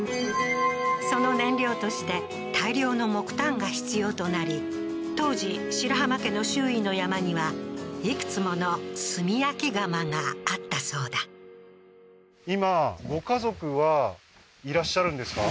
その燃料として大量の木炭が必要となり当時白濱家の周囲の山にはいくつもの炭焼き窯があったそうだいらっしゃるんですか？